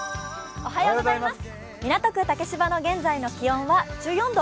港区竹芝の現在の気温は１４度。